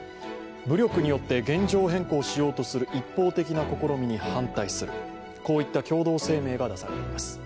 武力によって現状変更しようとする一方的な試みに反対する、こういった共同声明が出されています。